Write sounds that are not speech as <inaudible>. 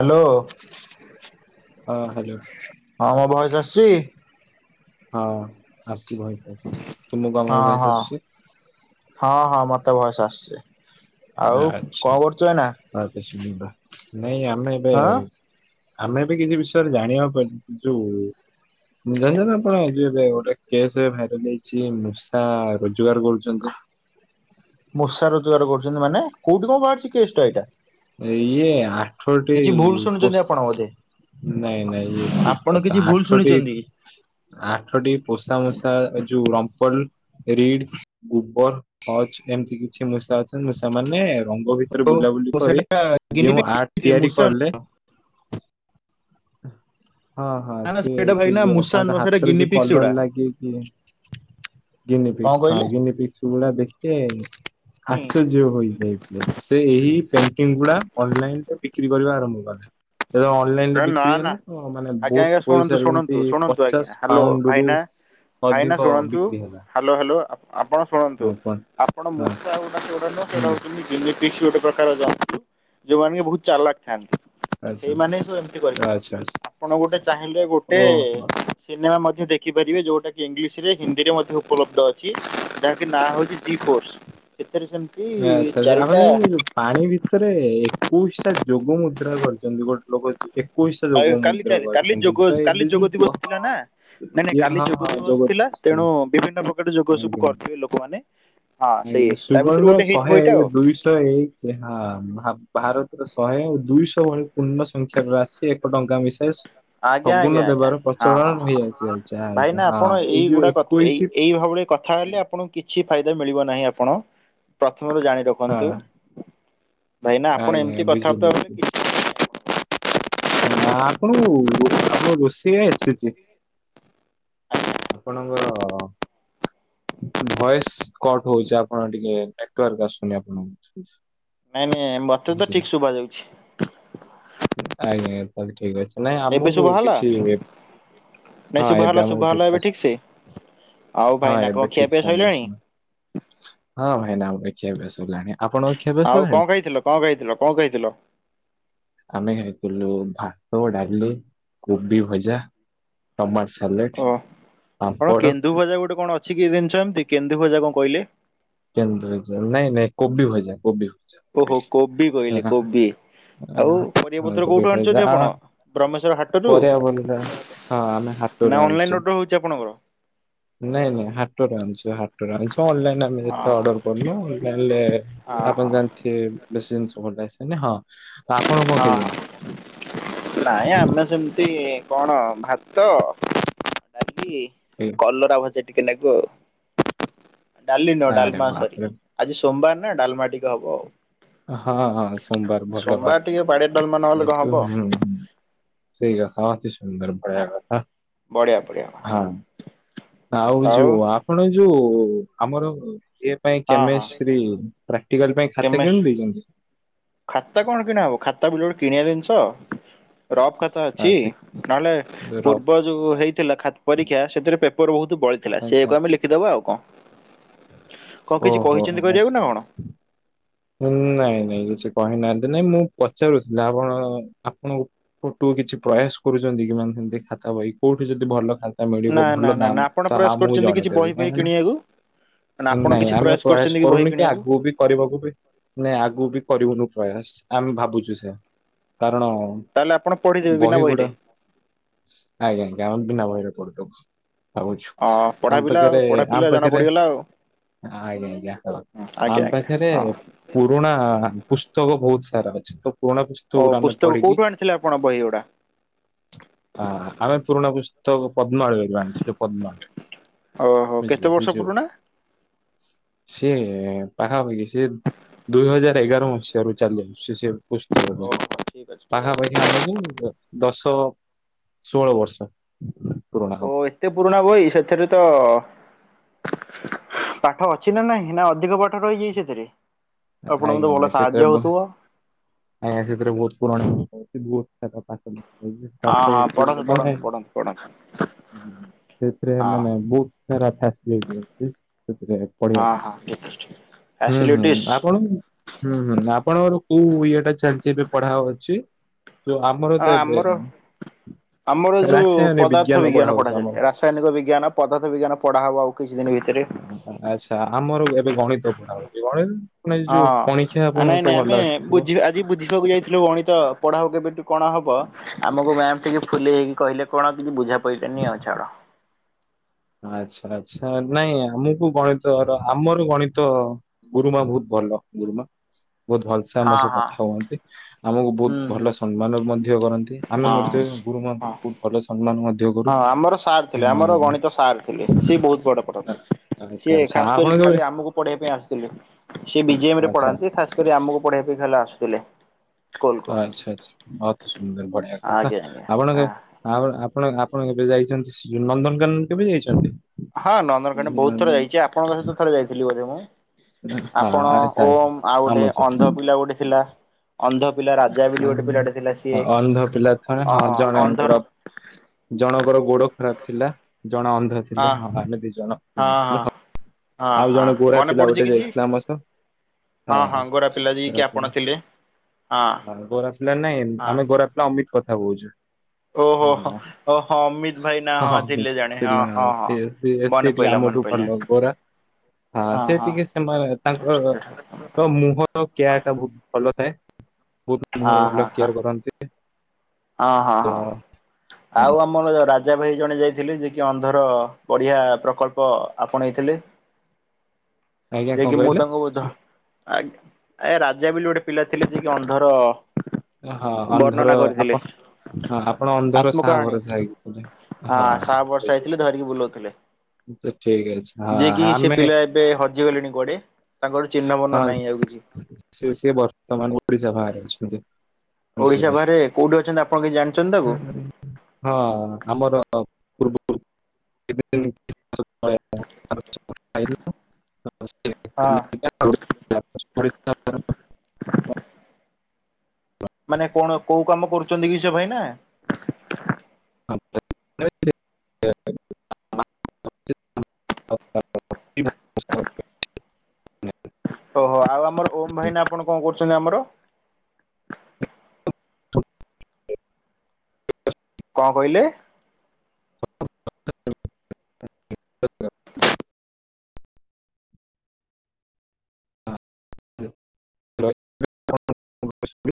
Hello. ହଁ hello. ହଁ ମୋ ଭୟସ୍ ଆସିଚି? ହଁ ଆସୁଚି ଭଏସ୍ ଆସୁଚି। ହଁ ହଁ ହଁ ହଁ ମୋତେ ଭଏସ୍ ଆସିଚି। ନା, ଆଉ ଆଚ୍ଛା କଣ କରୁଚୁ ଏଇନା। <unintelligible> ନାଇଁ ଆମେ ଏବେ ହଁ ଆମେ ଏବେ କିଛି ବିଷୟରେ ଜାଣିବାକୁ ପାଇ ଯୋଉ ଜାଣିଚନ୍ତି ଆପଣ ଆଜି ଏବେ ଗୋଟେ କେସ୍ ଭାଇରାଲ ହେଇଚି ମୂଷା ରୋଜଗାର କରୁଚନ୍ତିଜେ? ମୂଷା ରୋଜଗାର କରୁଚନ୍ତି ମାନେ କୋଉଠି କଣ ବାହାରିଚି କେଷ୍ଟା ଏଇଟା। ଏଇଏ ଆ ଆଠଟି କିଛି ଭୁଲ ଶୁଣିଛନ୍ତି ପସ୍ ଆପଣ ବୋଧେ ନାଇଁ ନାଇଁ ଇଏ ଠିକ୍ ଆପଣ କିଛି କଥା ଭୁଲ ଆଠଟି ଶୁଣିଛନ୍ତି ଆଠଟି ପୋଷା ମୂଷା ଯୋଉ ରମ୍ପଲ ରିଡ଼୍ ଗୁବର, ହଜ ଏମିତି କିଛି ମୂଷା ଅଛନ୍ତି ମୂଷା ମାନେ ରଙ୍ଗ ଭିତରେ ଓ ବୁଲାବୁଲି କରି ସେଇଟା ଗିନି ଯେଉଁ ଆର୍ଟ ପିକ୍ ତିଆରି ମୂଷା କଲେ ନୁହଁ ହଁ ହଁ ନା ନା ସିଏ ସେଇଟା ଭାଇ ସେ ନା ଯୋଉ ମୂଷା ତାଙ୍କ ନୁହଁ ସେଇଟା ହାତରେ ଗିନି ଯୋଉ ପିକ୍ସ କଲର ଗୁଡା ଲାଗି କି। ଗିନି କଣ ପିକ୍ସ ହଁ କହିଲେ? ଗିନି ପିକ୍ସ ଗୁଡା ଦେଖିେ ଆସ ଚର୍ଯ୍ୟ ହୋଇଯାଇଥିଲେ, ସେ ଏହି ପେଣ୍ଟିଙ୍ଗ ଗୁଡା ଅନଲାଇନରେ ବିକ୍ରି କରିବା ଆରମ୍ଭ କଲେ। ଯେତେବେଳେ ଅନଲାଇନ ରେ ଏ ନା ବିକ୍ରି ନା ହେଲା ତ ମାନେ ଆଜ୍ଞା ବହୁତ ଆଜ୍ଞା ଶୁଣନ୍ତୁ ପଇସାରେ ଯେମିତି ଶୁଣନ୍ତୁ ଶୁଣନ୍ତୁ ପଚାଶ ଆଜ୍ଞା ହ୍ୟାଲୋ ପାଉଣ୍ଡ ରୁ ଭାଇନା ଅଧିକ ଭାଇନା ଶୁଣନ୍ତୁ ବିକ୍ରି ହେଲା। ହ୍ୟାଲୋ ହ୍ୟାଲୋ ଅପ୍ ଆପଣ ଶୁଣନ୍ତୁ। ଆଉ କଣ ଆପଣ ହଁ ମୋଜା ଆଉ କୋଉଡାକ ସେଇଟା ହୁଁ ହଉଛନ୍ତି ଜେନେଟିକଟିଶୁ ଗୋଟେ ପ୍ରକାର ଜାତି ଯୋଉମାନେ କି ବହୁତ ଚାଲକ ଥାନ୍ତି। ଆଚ୍ଛା। କେତି କରିନ୍ତି ଆଚ୍ଛା, ଆଚ୍ଛା। ଆପଣ ଗୋଟେ ଚାହିଁଲେ ଗୋଟେ ଓହୋ! ସିନେମା ମଧ୍ୟ ଦେଖିପାରିବେ ଯୋଉଟା କିି ଇଂଲିଶ ରେ ହିନ୍ଦୀରେ ମଧ୍ୟ ଉପଲବ୍ଧ ଅଛି ଯାହାକି ନାଁ ହଉଛି ଜି ଫୋର୍ସ ସେଥିରେ ସେମିତି ଆଚ୍ଛା, ଆଚ୍ଛା। ଆପଣ ଚାରିଟା ଜାଣିଛନ୍ତି ଯୋଉ ପାଣି ଭିତରେ ଏକୋଇଶ ଟା ଯୋଗ ମୁଦ୍ରା କରିଛନ୍ତି ଗୋଟେ ଲୋକ ଜି ଏକୋଇଶଟା ଲୋକ କାଲି କାଲି ମୁଦ୍ରକ କାଲି ଅଛନ୍ତି ଯୋଗ ତ କାଲି ଏବେ ଯୋଗ ଯୋଉ ଦିବସ ଜହ ଥିଲା ନା। ନାଇଁ ନାଇଁ କାଲି ଯୋଗ ଦିବସ ଥିଲା ତେଣୁ ବିଭିନ୍ନ ପ୍ରକାର ଯୋଗ ସବୁ ଆଜ୍ଞା, କରିଥିବେ ଲୋକମାନେ ହଁ ସେଇ ଆଜ୍ଞା ତା ସୁବଲ୍ ଭିତରୁ ର ଗୋଟେ ହେଇଥିବ ଶହେ ଏଇଟା ଏକ ଆଉ। ଦୁଇ ଶହେ ଏକ ହ୍ନା ଭାର ଭାରତର ଶହେ ଓ ଦୁଇଶହ ଭଳି ପୂର୍ଣ୍ଣସ ସଂଖ୍ୟାରୁ ଆସି ଏକ ଟଙ୍କା ମିଶାଇଶ୍ ଆଜ୍ଞା ଆଜ୍ଞା ଆଜ୍ଞା ହଁ ହଁଁ ରହିଆସିଅଛି। ଆଜ୍ଞା, ଭାଇନା ହଁ ଆପଣ ଏଇ ଯୋଉ ଏଇଗୁଡା କଥା ଏଇ ଏଇ ଭାବଳି କଥା ହେଲେ ଆପଣଙ୍କୁ କିଛି ଫାଇଦା ମିଳିବ ନାହିଁ ଆପଣ ପ୍ରଥମରୁ ଜାଣି ରଖନ୍ତୁ। ହଁ, ଭାଇନା ଆପଣ ଆଜ୍ଞା ଏମିତି କଥାବାର୍ତ୍ତା ହେଲେ ବୁଝିଲି। କି ଆପଣଙ୍କୁ ଆପଣଙ୍କୁ ରୋଷେଇ ଆସିଛି। ଆପଣଙ୍କର ଭଏସ୍ କଟ ହଉଛି ଆପଣ ଟିକେ ନେଟୱାର୍କ ଆସୁନି ଆପଣଙ୍କୁ ନାଇଁ ନାଇଁ ମତେ ତ ବୁଝିଲେ? ଠିକ ଶୁଭା ଯାଉଛି। ଆଜ୍ଞା ତାଲେ ଠିକ ଅଛି ନାଇଁ ଏବେ ଆମକୁ ଶୁଭା ହେଲା କିଛି ନାଇଁ ହଁ ଶୁଭା ହେଲା ଏବେ ଶୁଭା ଆମକୁ ହେଲା ଏବେ ଠିକଠାକ୍ ଠିକ ସେ। ଶୁଭିଲା ଆଉ ଭାଇନା ହଁ କଣ ଏବେ ଖିଆ ଠିକ ପିଆ ସାଉଣ୍ଡ ସଇଲାଣି ସୁଣାଗଲା ହଁ ଭାଇନା ଆମ ଦେଖିବା ଏବେ ସବୁ ଜାଣିବା ଆଉ କଣ ଖାଇଥିଲ, କଣ ଖାଇଥିଲ, କଣ ଖାଇଥିଲ? ଆମେ ଖାଇଥିଲୁ ଭାତ, ଡାଲି, କୋବି ଭଜା। ଟମାଟ ସାଲେଟ୍ ଓ କଣ କେନ୍ଦୁ ଭଜା ଗୋଟେ କଣ ଅଛି କି ଜିନିଷ ଏମିତି କେନ୍ଦୁ ଭଜା କଣ କହିଲେ। କେନ୍ଦୁ ଭଜା ନାଇ ନାଇଁ କୋବି ଭଜା କୋବି ଭଜା ଓହୋ କହିଲି। କୋବି କହିଲେ କୋବି। ଆଉ ହଁ ପରିବାପତ୍ର କୋବି କୋଉଠୁ ଭଜା ଆଣିଛନ୍ତି ଆ ଆପଣ ବ୍ରହ୍ମେଶ୍ଵର ହାଟରୁ। ପରିବା ବନିଲା ହଁ ଆମେ ହାଟରୁ ନା ଆଣୁଛେ। ଅନଲାଇନ ଅର୍ଡର ହଉଛି ଆପଣଙ୍କର। ନାଇଁ ନାଇଁ ହାଟରୁ ଆଣିଛୁ ହାଟରୁ ଆଣିଛୁ ଅନଲାଇନ ଆମେ ଅ ଓହୋ ଅର୍ଡର କରୁନୁ ଇ ଜାଣିଲେ ଆପଣ ହଁ ଜାଣିଥିବେ ମେସିନ୍ ଭଲ ଆସେନି ହଁ। ତ ଆପଣ କଣ ହଁ ହ ଖାଇଛନ୍ତି? ନାଇଁ ଆମେ ସେମିତି କଣ ଭାତ, ଡାଲି ଟିମ୍ ଅଲରା ଭଜା ଟିକେ ନେବୁ ଆଉ ଡାଲି ନୂ ଆରେ ଡାଲମା ସରି ବାପରେ ଆଜି ସୋମବାର ନା ଡାଲମାଟିକ ହବ ଆଉ। ହଁ ହଁ ସୋମବାର ସୋମବାର ଭଲବାର ଟିକେ ବାଡିଆ ଡାଲମା ନହେଲେ କଣ ଜେହେତୁ ହବ। ହଁ। ସେଇ କଥା ଅତି ସୁନ୍ଦର ହଁ ବଢିଆ କଥା। ବଢିଆ ବଢିଆ ହଁ ଆଉ ଯୋଉ ଆପଣ ଯୋଉ ଆମର ଇ ପାଇଁ ହଁ ହଁ କେମିଷ୍ଟି ପ୍ରାକ୍ଟିକାଲ ପାଇଁ ଖାତା କିଣୁ କେମେଷ୍ଟ୍ରି ଦେଇଛନ୍ତି? ଖାତା କଣ କିଣାହବ ଖାତା ବୁ ଗୋଟେ କିଣିବା ଜିନିଷ ରଫ୍ ଖାତା ଅଛି। ଆଚ୍ଛା ନହେଲେ ରଫ୍ ପୂର୍ବ ଯୋଉ ହେଇଥିଲା ପରୀକ୍ଷା ସେଥିରେ ପେପର ବହୁତ ବଳିଥିଲା ଆଚ୍ଛା ସେଇଆକୁ ଆମେ ଲଖ ଶଖିଦବା ଆଉ କଣ। କଣ କିଛି ଓହୋ କହିଛନ୍ତି ଆଚ୍ଛା। କରିବାକୁ ନା କଣ? ନାଇଁ ନାଇଁ କିଛି କହିନାହାନ୍ତି ନାଇଁ ମୁଁ ପଚାରୁଥିଲି ଆପଣ ଆପଣ କୋଟୁ କିଛି ପ୍ରୟାସ କରୁଛନ୍ତି କିାନ ସେମିତି ଖାତା ବହି କୋଉଠି ଯଦି ଭଲ ଖା ମିଳିବ ନା ନା ଭଲ ନା ଦାମ ନା ଆପଣ ତ ପ୍ରୟାସ ଆ ମୁଁ କରିଛନ୍ତି କିଛି ଜଣେଇଦେବି ବହି ଫହି କାହିଁକି ନା କିଣିବାକୁ? ନା ଆପଣ ନାଇଁ କିଛି ଆମେ ପ୍ରୟାସ କରିଛନ୍ତି ବହି କରୁନି କି କିଣିବାକୁ? ଆଗକୁ ବି କରିବାକୁ ବି ନାଇ ଆଗକୁ ବି କରିବୁନୁ ପ୍ରୟାସ ଆମେ ଭାବୁଛୁ ସେୟା। କାରଣ ତାହେଲେ ଆପଣ ପଢିଦେବେ ବିନା ବହି ଗୁଡା ବହିରେ ଆଜ୍ଞା ବିନା ବହିରେ ପଶି ଦେବ। ହଉଛୁ ଅ ପଢା ଆମ ପିଲା ଆଉ ପାଖରେ ପଢା ଆମ ପିଲା ଜଣା ପାଖରେ ପଡିଗଲା ଆଉ। ଆଜ୍ଞା ଆଜ୍ଞା ଆଜ୍ଞା ଆମ ଆଜ୍ଞା ପାଖରେ ହଁ ପୁରୁଣା ପୁସ୍ତକ ବହୁତ ସାରା ଅଛି। ତ ପୁରୁଣା ପୁସ୍ତକ ଓ ଗୁରା ଆମେ ପୁସ୍ତକ ପଢିକି କୋଉଠୁ ଆଣିଥିଲେ ଆପଣ ବହି ଗୁଡା? ହଁ ଆମେ ପୁରୁଣା ତ ପଦ୍ମାଳୟ ରୂ ଆଣିଥିଲୁ ପଦ୍ମାଳୟ ଓହୋ କେତେ ବୁଝିଲେ? ସେ ବର୍ଷ ଯୋଉ ପୁରୁଣା? ସିଏ ପାଖାପାଖିକି ସିଏ ଦୁଇ ହଜାର ଏଗାର ମସିହାରୁ ଚାଲି ଆସୁଛି ସେ ପୁସ୍ତକ ଓହୋ ବହି। ଠିକ୍ ଅଛି ଠିକ୍ ଅଛି। ପାଖାପାଖି ଆମକୁ ଦଶ ଷୋହଳ ବର୍ଷ ପୁରୁଣା ଓ ହବ। ଏତେ ପୁରୁଣା ବହି ସେଥିରେ ତ ପାଠ ଅଛି ନା ନହିଁ ନା ଅଧିକ ପାଠ ରହିଯାଇଛି ସେଥିରେ। ଆପଣ ଆଜ୍ଞା ତ ଆଜ୍ଞା ଭଲ ସେଥିରେ ସାହାଯ୍ୟ୍ୟ ବ ହେଉୁଥିବ? ଆଜ୍ଞା ସେଥିରେ ବହୁତ ପୁରୁଣା ଏ ହଁ ହଁ ପାଠକୁ ପଢନ୍ତୁ ମାନେ ପଢନ୍ତୁ ପଢନ୍ତୁ ପଢନ୍ତୁ ସେଥିରେ ହଁ ମାନେ ବହୁତ ସାରା ଫସିଲିଟି ଅଛି ସେଥିରେ ପଢିବା ପାଇଁ। ହୁଁ ହୁଁ ଫ୍ୟାସିଲିଟିସ୍ ଆପଣ ହୁଁ ହୁଁ ଆପଣଙ୍କର କୋଉ ଇଏ ଟା ଚାଲିଛି ଏବେ ପଢା ହଉଚି? ତ ଆମର ତ ଏବେ ଆମର ରାସାୟନିକ ବିଜ୍ଞାନ ପଢାଉଛି ଆମର। ସୈନିକ ବିଜ୍ଞାନ ପଦାଥ ବିଜ୍ଞାନ ପଢ଼ା ହେବ ଆଉ କିଛି ଦିନ ଭିତରେ। ଆଚ୍ଛା ଆମର ଏବେ ଗଣିତ ପଢା ହଉଚି। ଗଣିତ ଆପଣ ଏ ହଁ। ଯୋଉ ପଣି ଖିଆ ନାଇଁ ଆପଣଙ୍କୁ ନାଇଁ ତ ଆମେ ଭଲ ଆସୁଥିବ? ବୁଝି ବୁଝିବାକୁ ଯାଇଥିଲୁ ଗଣିତ ପଢାକୁ କେବେଠୁ କଣ ହବ ଆମକୁ ମ୍ୟାମ୍ ଟିକେ ଫୁଲେଇ ହେଇକି କହିଲେ କଣ ଟିକେ ବୁଝା ପଇଲାନି ଆଉ ଛାଡ। ଆଚ୍ଛା ଆଚ୍ଛା ନାଇଁ ଆମକୁ ଗଣିତ ଆମର ଗଣିତ ଗୁରୁମା ବହୁତ ଭଲ ଗୁରୁମା ବହୁତ ଭଲସେ ଆମ ହଁ ସହ ହଁ କଥା ହୁଅନ୍ତି। ଆମକୁ ହୁଁ ବହୁତ ଭଲ ସମ୍ମାନ ମଧ୍ୟ କରନ୍ତି ହୁଁ ଆମେ ହଁ ମଧ୍ୟ ହଁ। ଗୁରୁମାଙ୍କୁ ବହୁତ ଭଲ ସମ୍ମାନ ମଧ୍ୟ କରୁ। ହଁ ଆମର ସାର୍ ହଁ ଥିଲେ ଆମର ଆଜ୍ଞା। ଗଣିତ ସାର୍ ଥିଲେ। ସିଏ ବହୁତ ବଡ ପଢନ୍ତି ଆଚ୍ଛା ସିଏ ଆଚ୍ଛା ଖାସ ଆପଣ କରି କେବେ ଖାଲି ଆମକୁ ପଢେଇିବା ପାଇଁ ଆସିଥିଲେ। ସେି ବି ଜେ ଏମ ରେ ଆଚ୍ଛା ଆଚ୍ଛା ପଢନ୍ତି ଖାସ୍ କରି ଆମକୁ ପଢେଇିବା ପାଇଁ ଖ ହେଲେ ଆସୁଥିଲେ। ସ୍କୁଲ କୁ ଆଚ୍ଛା ଆଚ୍ଛା ଅତି ସୁନ୍ଦର ବଢିଆ କଥା। ଆଜ୍ଞା ଆଜ୍ଞା ଆ ଆପଣଙ୍କ ଆଉ ଆପଣ ଆପଣ କେବେ ଯାଇଛନ୍ତି ଶ୍ରୀ ନନ୍ଦନକାନନ କେବେ ଯାଇଛନ୍ତି? ହଁ ନନ୍ଦନକାନ ବହୁତ ଥର ଯାଇଛି। ଆପଣଙ୍କ ସହିତ ଥରେ ଯାଇଥିଲି ବୋଧେ ମୁଁ? ହଁ ଆପଣ ଆଚ୍ଛା ଆଚ୍ଛା ଓମ୍ ଆଉ ଆମ ଗୋଟେ ସହିତ ଅନ୍ଧ ପିଲା ଗୋଟେ ଥିଲା। ଅନ୍ଧ ପିଲା ରାଜା ବୋଲି ଆଁ, ଗୋଟେ ପିଲାଟେ ଥିଲା ସିଏ ଅନ୍ଧ ପିଲା ଅହ ଅନ୍ଧର। ଜଣକର ଗୋଡ ଖରାପ ଥିଲା ଜଣେ ଅନ୍ଧ। ଥିଲେ ହଁ ଆମେ ଦି ଜଣ ହୁଁ ଥିଲୁ ହଁ। ହଁ ଆଉ ହଁ ଜଣେ ଗୋରା ମନେ ପିଲା ପଡୁଛି ଗୋଟେ କିଛି ଯାଇଛି ଆମ ସହ। ହଁ ହଁ ଗୋରା ପିଲା ଯିଏକିି ଆପଣ ଥିଲେ। ହଁ ଆ ଗୋରା ପିଲା ନାଇଁ ହଁ। ଆମେ ଗୋରା ପିଲା ଅମିତ କଥା କହୁଚୁ। ଓହୋ ହୋ ଓହୋ ଅମିତ ଭାଇ ନା ହଁ ଥିଲେ ଜାଣେ ହଁ ହଁ ହଁ। ସିଏ ସିଏ ମନେ ଟିକେ ପଇଲା ମନେ ଆମଠୁ ପଇଲା ଭଲ ଗୋରା। ହଁ ସେ ଟିକେ ସେ‌ ମା ତାଙ୍କ ର ମୁହଁର କେୟର ଟା ବହୁତ ଭଲ ଥାଏ। ବୋହୁତ ମୁହଁ ର ହଁ ଭଲ ହଁ ହଁ। କେଆର କରନ୍ତି। ହଁ ହଁ ତ ହଁ ହୁଁ, ଆଉ ଆମର ଯୋଉ ରା ଜବ୍ ହେଇ ଜଣେ ଯାଇଥିଲେ ଯେ କିି ଅନ୍ଧର ବଢିଆ ପ୍ରକଳ୍ପ ଆପଣେଇ ଥିଲେ। ଆଜ୍ଞା କଣ ଯେକିି ମୁଁ କହିଲେ? ତାଙ୍କୁ ଧର ଆଗ୍ ଆଜ୍ଞା ରାଜା ବେଲି ଗୋଟେ ପିଲା ଥିଲେ ଯିଏ କି ଅନ୍ଧର। ଏ ହଁ ଅନ୍ଧର ବର୍ଣ୍ଣନା କରିଥିଲେ ଆପ ହଁ ଆପଣ ଅନ୍ଧର ସାହା ଆତ୍ମକାହାଣୀ ଭରସା ହେଇକି ଥିଲେ ସାହା ବର୍ଷା ହଁ। ହେଇଥିଲେ ଧରିକି ବୁଲାଉଥିଲେ ତ ଠିକ ଅଛି ହଁ ଯିଏ କି ସେ ଆମେ ପିଲା ଏବେ ହଜି ଗଲେଣି କୁଆଡେ। ତାଙ୍କ ର ଚିହ୍ନବର୍ଣ ନାହିଁ ଆଉ କିଛି। ସେବି ସେ ବର୍ତ୍ତମାନ ଓଡିଶା ବାହରେ ଅଛନ୍ତି। ଓଡ଼ିଶା ମିଶିଲେ। ବାହାରେ କୋଉଠି ଅଛନ୍ତି ଆପଣ କିଛି ଜାଣିଚନ୍ତି ତାକୁ। ହଁ ଆମର ପୂର୍ବରୁ। <unintelligible> ହଁ। କି ଓଡ଼ିଶା ମାନେ କଣ କୋଉ କାମ କରୁଚନ୍ତି କି ସେ ଭାଇ ନା। <unintelligible> <unintelligible> ଓହୋ ଆଉ ଆମର ଓମ ଭାଇନା ଆପଣ କଣ କରୁଚନ୍ତି ଆମର। <unintelligible> କଁ କହିଲେ? <unintelligible> <unintelligible>